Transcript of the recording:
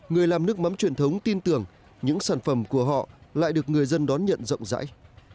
người làm nước mắm truyền thống tin tưởng những sản phẩm của họ lại được người dân đón nhận rộng rãi